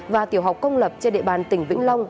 và tiểu học công lập trên địa bàn tỉnh vĩnh long